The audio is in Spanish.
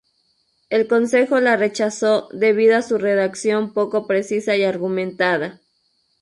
El consejo la rechazó debido a su redacción poco precisa y argumentada.